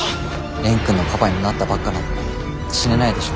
蓮くんのパパになったばっかなのに死ねないでしょ。